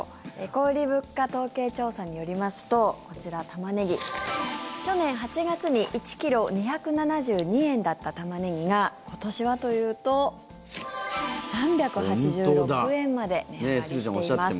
小売物価統計調査によりますとこちら、タマネギ去年８月に１ｋｇ２７２円だったタマネギが今年はというと３８６円まで値上がりしています。